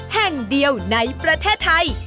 แห่งเดียวในประเทศไทย